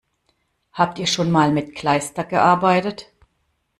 Habt ihr schon mal mit Kleister gearbeitet?